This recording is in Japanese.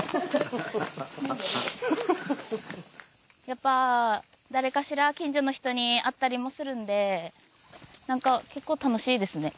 やっぱ誰かしら近所の人に会ったりもするのでなんか結構楽しいですね。